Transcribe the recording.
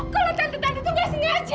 kalau tante tanti nggak sengaja